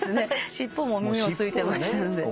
尻尾も耳もついてましたので。